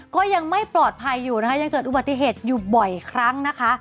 ก็ยังไม่ปลอดภัยอยู่นะคะยังเกิดอุบัติเหตุอยู่บ่อยครั้งนะคะ